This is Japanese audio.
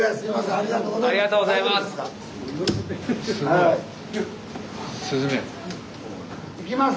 ありがとうございます。